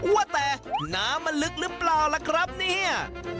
ว่าแต่น้ำมันลึกหรือเปล่าล่ะครับเนี่ย